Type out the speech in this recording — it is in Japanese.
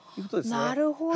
なるほど。